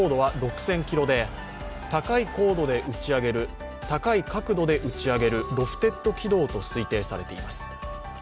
最高高度は６０００ｋｍで高い角度で打ち上げるロフテッド軌道と推定されています。